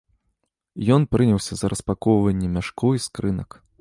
Ён прыняўся за распакоўванне мяшкоў і скрынак.